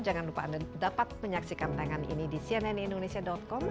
jangan lupa anda dapat menyaksikan tangan ini di cnnindonesia com